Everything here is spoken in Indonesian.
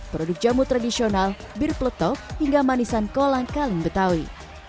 produk jamu tradisional bir peletop hingga manisan kolang kalimbetawi